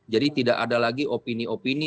jadi tidak ada lagi opini opini